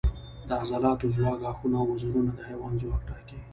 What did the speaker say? د عضلاتو ځواک، غاښونه او وزرونه د حیوان ځواک ټاکي.